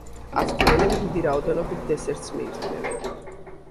ავსტრიელები დიდი რაოდენობით დესერტს მიირთმევენ.